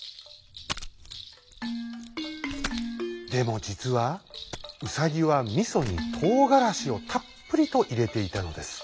でもじつはウサギはみそにとうがらしをたっぷりといれていたのです。